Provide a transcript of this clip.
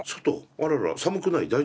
あらら寒くない？